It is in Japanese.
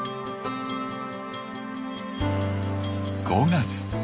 ５月。